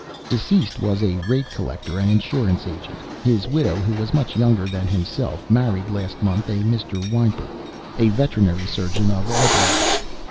Deceased was a rate collector and insurance agent. His widow, who was much younger than himself, married last month a Mr. Whymper, a veterinary surgeon of Allbeeding.